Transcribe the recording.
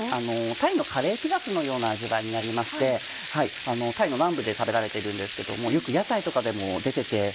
タイのカレーピラフのような味わいになりましてタイの南部で食べられているんですけどよく屋台とかでも出てて。